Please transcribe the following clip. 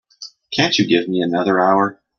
Can't you give me another hour?